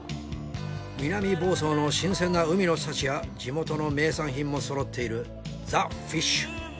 南房総の新鮮な海の幸や地元の名産品もそろっているザ・フィッシュ。